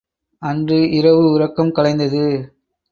அன்று இரவு உறக்கம் கலைந்தது.